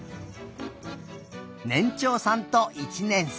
ねんちょうさんと１年生。